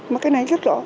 mà cái này rất rõ